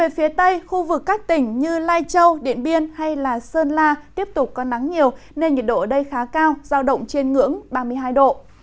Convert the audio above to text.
phía tây khu vực các tỉnh như lai châu điện biên hay sơn la tiếp tục có nắng nhiều nên nhiệt độ ở đây khá cao giao động trên ngưỡng ba mươi hai độ